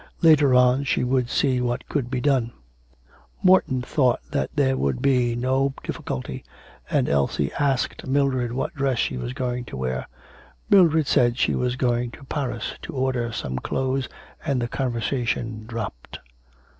Later on she would see what could be done; Morton thought that there would be no difficulty, and Elsie asked Mildred what dress she was going to wear. Mildred said she was going to Paris to order some clothes and the conversation dropped.